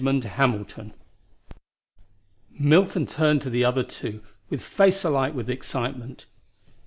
Milton turned to the other two with face alight with excitement.